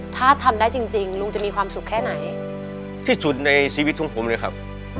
ถ้าทำได้จริงจริงลุงจะมีความสุขแค่ไหนที่สุดในชีวิตของผมเลยครับ